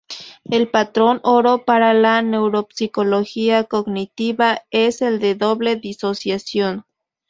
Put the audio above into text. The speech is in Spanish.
El "patrón oro" para la neuropsicología cognitiva es el de doble disociación.